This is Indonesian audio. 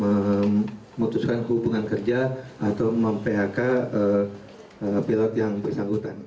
memutuskan hubungan kerja atau mem phk pilot yang bersangkutan